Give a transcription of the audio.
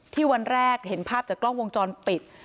วันแรกเห็นภาพจากกล้องวงจรปิด